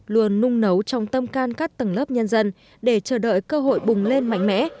luôn nung nấu trong tâm can các tầng lớp nhân dân để chờ đợi cơ hội bùng lên mạnh mẽ